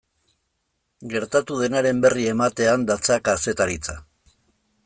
Gertatu denaren berri ematean datza kazetaritza.